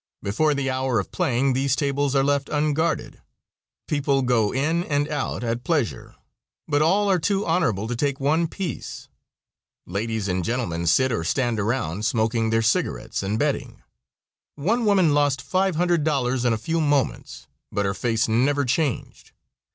Before the hour of playing these tables are left unguarded; people go in and out at pleasure, but all are too honorable to take one piece. Ladies and gentlemen sit or stand around, smoking their cigarettes and betting. One woman lost $500 in a few moments, but her face never changed.